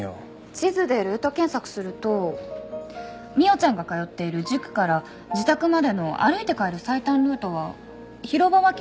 地図でルート検索すると未央ちゃんが通っている塾から自宅までの歩いて帰る最短ルートは広場脇の道路なんです。